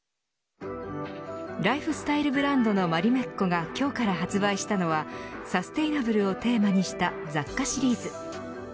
ライフスタイルブランドのマリメッコが今日から発売したのはサステイナブルをテーマにした雑貨シリーズ。